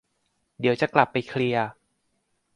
เดี๋ยวจะกลับไปเคลียร์